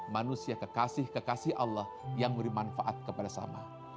manusia kekasih kekasih allah yang dimanfaatkan kepada sama